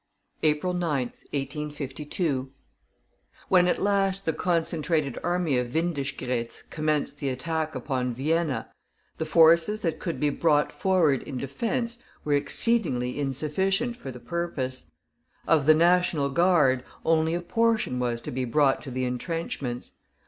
APRIL 9th, 1852. When at last the concentrated army of Windischgrätz commenced the attack upon Vienna, the forces that could be brought forward in defence were exceedingly insufficient for the purpose. Of the National Guard only a portion was to be brought to the entrenchments.